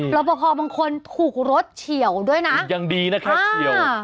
โรปพอร์บางคนถูกรถเฉียวด้วยนะยังดีนะแค่เฉียว